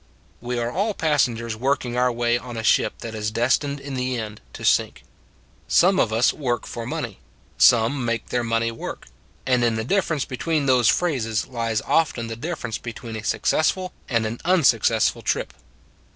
We are all passengers working our way on a ship that is destined in the end to sink. Some of us work for money, some make their money work and in the difference between those phrases lies often the differ ence between a successful and an unsuc cessful trip.